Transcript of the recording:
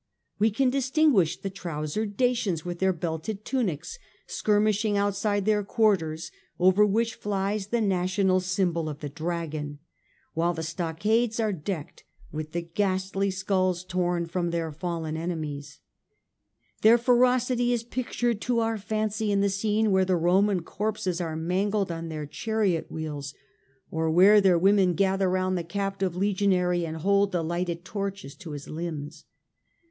We can distinguish the trousered Dacians with their belted tunics, skirmishing outside their quarters, over which flies the national symbol of the dragon, while the stock ades are decked with the ghastly skulls torn from their fallen enemies. Their ferocity is pictured to our fancy in the scene where the Roman corpses are mangled on their chariot wheels, or where their women gather round A.D. 38 The Age of the Antonines, the captive legionary and hold the lighted torches to his limbs.